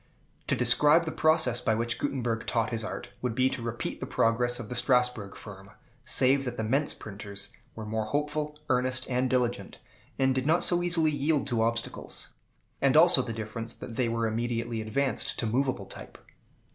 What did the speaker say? To describe the process by which Gutenberg taught his art, would be to repeat the progress of the Strasbourg firm, save that the Mentz printers were more hopeful, earnest, and intelligent, and did not so easily yield to obstacles; and also the difference that they were immediately advanced to movable type.